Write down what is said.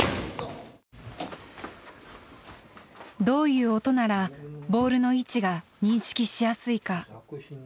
どういう音ならボールの位置が認識しやすいか。